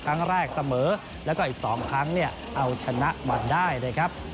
ครั้งแรกเสมอแล้วก็อีก๒ครั้งเนี่ยเอาชนะมาได้นะครับ